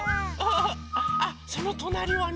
あそのとなりはね。